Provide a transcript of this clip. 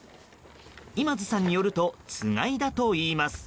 今津さんによるとつがいだといいます。